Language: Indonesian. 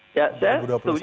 saya setuju dengan pak faisal